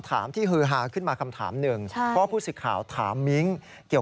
ทางค่ายหรือว่าทางตัวผู้หญิงเลย